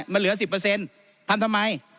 มันเหลือ๑๐ทำทำไม